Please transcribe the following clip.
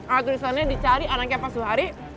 alat tulisannya dicari anaknya pasuh hari